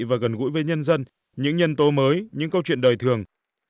và gần gũi với nhân dân những nhân tố mới những câu chuyện đời thường